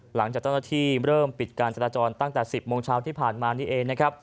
หลังจากเจ้าหน้าที่เริ่มปิดการจราจรตั้งแต่๑๐โมงเช้าที่ผ่านมานี่เองนะครับ